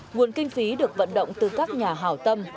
nguồn kinh phí được vận động từ các nhà hào tâm